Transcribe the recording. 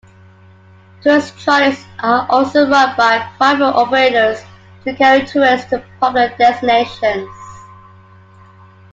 Tourist trolleys are also run by private operators to carry tourists to popular destinations.